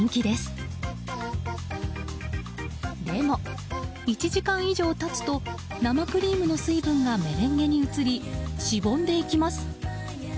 でも１時間以上経つと生クリームの水分がメレンゲに移りしぼんでいきます。